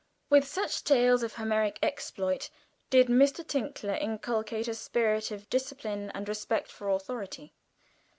With such tales of Homeric exploit did Mr. Tinkler inculcate a spirit of discipline and respect for authority.